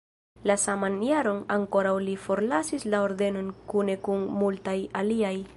La saman jaron ankoraŭ li forlasis la ordenon kune kun multaj aliaj.